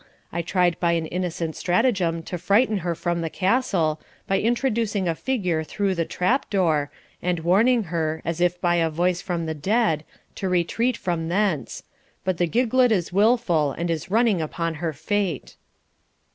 I tried by an innocent stratagem to frighten her from the castle, by introducing a figure through a trap door, and warning her, as if by a voice from the dead, to retreat from thence; but the giglet is wilful, and is running upon her fate.'